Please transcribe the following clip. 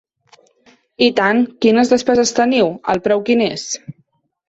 I tant, quines despeses teniu, el preu quin és?